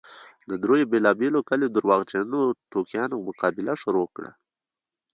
د دريو بېلابېلو کليو درواغجنو ټوکیانو مقابله شروع کړه.